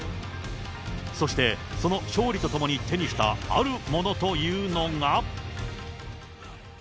そしてその勝利と共に手にしたあるものというのが。